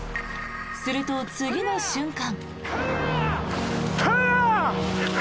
すると、次の瞬間。